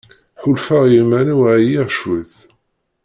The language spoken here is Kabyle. Ḥulfaɣ i yiman-iw ɛyiɣ cwiṭ.